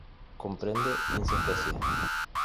Comprende quince especies.